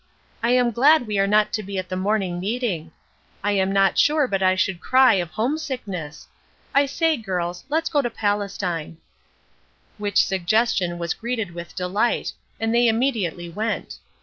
I am glad we are not to be at the morning meeting. I am not sure but I should cry of homesickness. I say, girls, let's go to Palestine." Which suggestion was greeted with delight, and they immediately went.